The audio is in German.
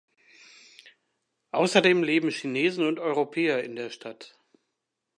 Außerdem leben Chinesen und Europäer in der Stadt.